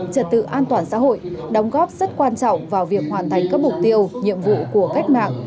trật tự an toàn xã hội đóng góp rất quan trọng vào việc hoàn thành các mục tiêu nhiệm vụ của cách mạng